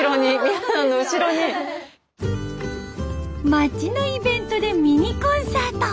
町のイベントでミニコンサート。